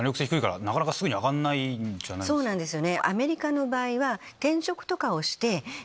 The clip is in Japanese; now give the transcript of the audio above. そうなんですよね。